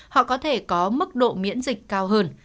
họ có thể có mức độ miễn dịch cao hơn